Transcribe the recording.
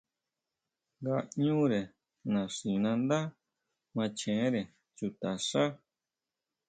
Ngaʼñure naxinándá machenre chuta xá.